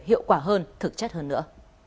hiệu quả hơn thực chất hơn nữa